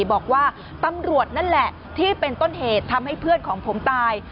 บอกว่าตำรวจนั่นแหละที่เป็นต้นเหตุทำให้เพื่อนของผมตาย